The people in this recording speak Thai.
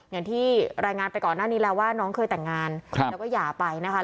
อย่างที่รายงานไปก่อนหน้านี้แล้วว่าน้องเคยแต่งงานแล้วก็หย่าไปนะคะ